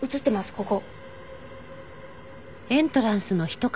ここ。